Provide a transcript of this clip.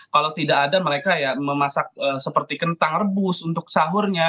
kalau tidak ada mereka ya memasak seperti kentang rebus untuk sahurnya